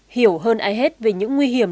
hiểu hơn ai hết về những nguy hiểm